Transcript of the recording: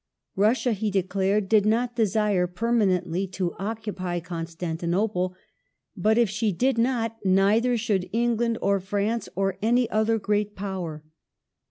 Russia, he declared, did not desire permanently to occupy Constantinople ; but, if she did not, neither should England or France or any other great Power.